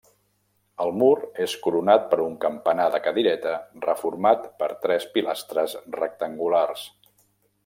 El mur és coronat per un campanar de cadireta reformat per tres pilastres rectangulars.